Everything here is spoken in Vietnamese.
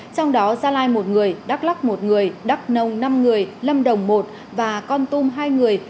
trong đó gia lai một người đắk lắc một người đắk nông năm người lâm đồng một và con tum hai người